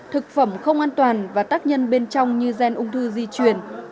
thực phẩm không an toàn và tác nhân bên trong như gen ung thư di truyền